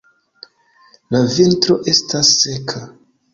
La vintro estas seka.